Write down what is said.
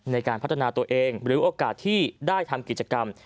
ในการพัฒนาตัวเองหรือโอกาสที่ได้ทำกิจกรรม